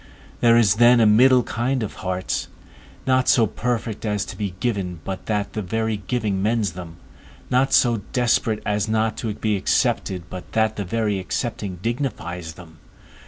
There is then a middle kind of hearts, not so perfect as to be given but that the very giving mends them; not so desperate as not to be accepted but that the very accepting dignifies them.